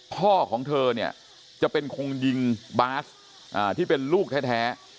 พ่อของเธอเนี่ยจะเป็นคนยิงบาสที่เป็นลูกแท้